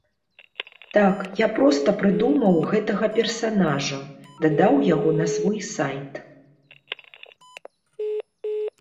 Так, я проста прыдумаў гэтага персанажа, дадаў яго на свой сайт.